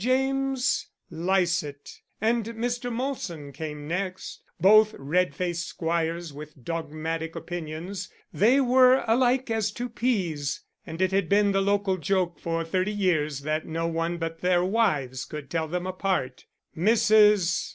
James Lycett and Mr. Molson came next, both red faced squires with dogmatic opinions; they were alike as two peas, and it had been the local joke for thirty years that no one but their wives could tell them apart. Mrs.